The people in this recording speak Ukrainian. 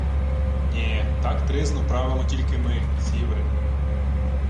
— Нє, так тризну правимо тільки ми, сіври!